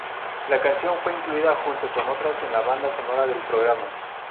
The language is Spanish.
La canción fue incluida, junto con otras en la banda sonora del programa.